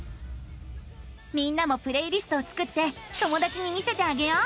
みんなもプレイリストを作って友だちに見せてあげよう。